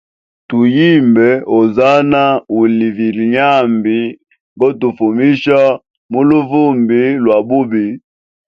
Tu yimbe Ozana uli vilyenyambi gotufumisha muluvumbi lwa bubi.